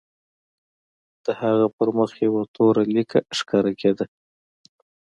د هغه په مخ یوه توره لیکه ښکاره کېده